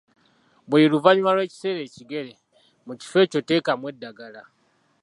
Buli luvanyuma lw‘ekiseera ekigere, mu kifo ekyo teekamu eddagala